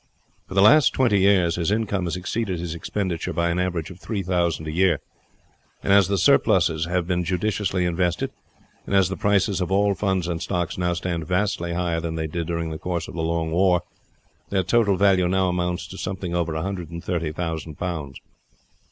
For the last twenty years his income has exceeded his expenditure by an average of three thousand a year, and as the surpluses have been judiciously invested, and as the prices of all funds and stocks now stand vastly higher than they did during the course of the long war, their total value now amounts to something over a hundred and thirty thousand pounds.